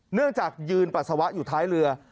เนื่องจากยืนปัสสาวะอยู่ท้ายเรือ